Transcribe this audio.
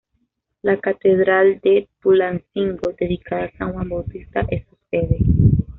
La catedral de Tulancingo, dedicada a San Juan Bautista, es su sede.